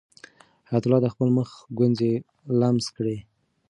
حیات الله د خپل مخ ګونځې لمس کړې.